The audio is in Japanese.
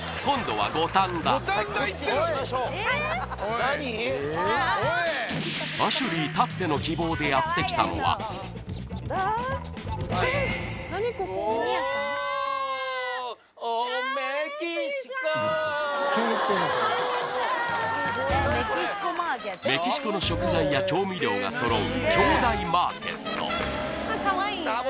はいアシュリーたっての希望でやってきたのはおおメキシコの食材や調味料が揃う